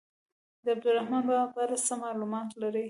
د عبدالرحمان بابا په اړه څه معلومات لرئ.